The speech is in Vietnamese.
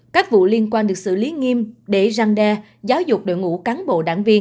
các vụ liên quan được xử lý nghiêm để răng đe giáo dục đội ngũ cao